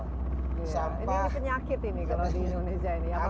ini penyakit ini kalau di indonesia ini